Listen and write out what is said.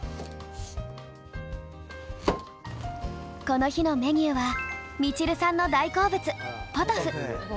この日のメニューはみちるさんの大好物ポトフ。